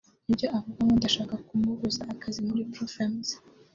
Ibyo avuga ngo ndashaka kumubuza akazi muri Profemmes